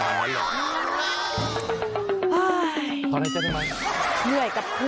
มีตังค์ใช่หลักพันธุ์